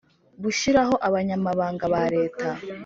gushyiraho abanyamabanga ba leta